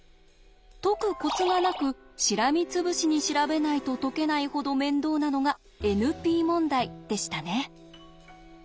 解くコツがなくしらみつぶしに調べないと解けないほど面倒なのがＮＰ問題でしたね。